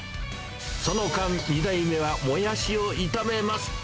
その間、２代目はモヤシを炒めます。